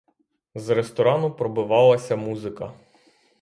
З ресторану пробивалася музика.